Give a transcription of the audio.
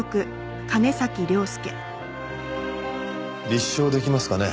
立証出来ますかね？